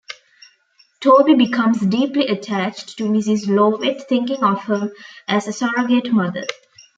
Toby becomes deeply attached to Mrs. Lovett, thinking of her as a surrogate mother.